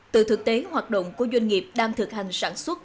từ thực tế hoạt động của doanh nghiệp đang thực hành sản xuất